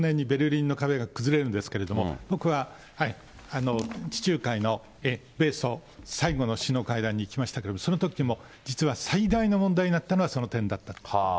これ、８９年にベルリンの壁が崩れるんですけれども、僕は、地中海の米ソ最後の首脳会談に行きましたけど、そのときも実は最大の問題になったのは、その点だった。